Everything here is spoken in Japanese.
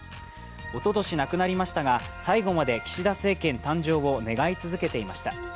おととし亡くなりましたが最後まで岸田政権誕生を願い続けていました。